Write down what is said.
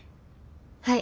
はい。